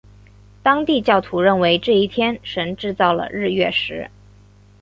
当地教徒认为这一天神制造了日月食。